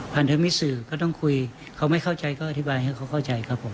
เธอมีสื่อก็ต้องคุยเขาไม่เข้าใจก็อธิบายให้เขาเข้าใจครับผม